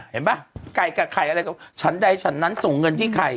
ป่ะไก่กับไข่อะไรก็ฉันใดฉันนั้นส่งเงินที่ไข่